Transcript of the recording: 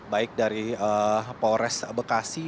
baik dari polres bekasi